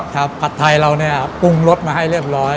ผัดไทยเราเนี่ยปรุงรสมาให้เรียบร้อย